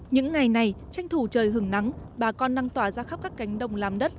những ngày này tranh thủ trời hứng nắng bà con năng tỏa ra khắp các cánh đồng làm đất